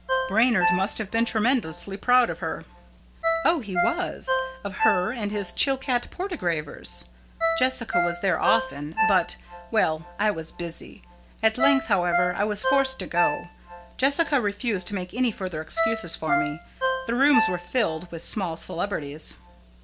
"Brainard must have been tremendously proud of her." "Oh, he was of her and his Chilcat portieres." Jessica was there often, but well, I was busy. At length, however, I was forced to go. Jessica refused to make any further excuses for me. The rooms were filled with small celebrities.